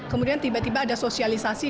kemudian tiba tiba ada sosialisasi